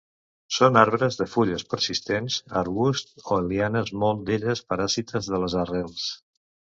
Són arbres de fulles persistents, arbusts o lianes moltes d'elles paràsites de les arrels.